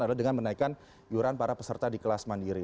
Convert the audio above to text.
adalah dengan menaikkan iuran para peserta di kelas mandiri